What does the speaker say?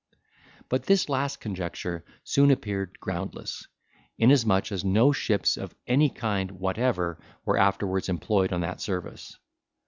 But this last conjecture soon appeared groundless, inasmuch as no ships of any kind whatever were afterwards employed on that service.